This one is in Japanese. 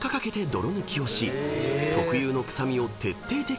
［特有の臭みを徹底的に除去］